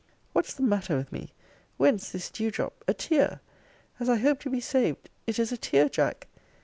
What's the matter with me! Whence this dew drop! A tear! As I hope to be saved, it is a tear, Jack!